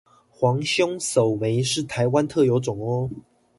黃胸藪眉是臺灣特有種喔！